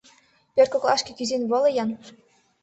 Пӧрткоклашке кӱзен воло-ян.